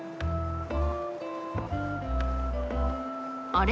あれ？